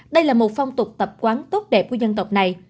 đây là một phong tục tập quán tốt đẹp của dân tộc này